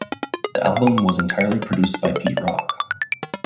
The album was entirely produced by Pete Rock.